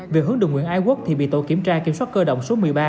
về hướng đồng nguyễn ái quốc thì bị tội kiểm tra kiểm soát cơ động số một mươi ba